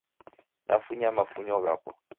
Nafunya mafunyo ghapo